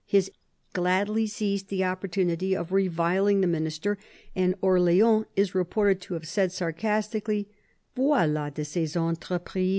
His enemies in Paris gladly seized the oppor tunity of reviling the minister, and Orleans is reported to have said sarcastically, "Voil4 de ses entreprises."